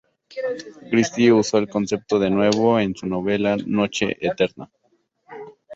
Christie usó el concepto de nuevo en su novela "Noche Eterna".